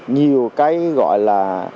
nhiều cái gọi là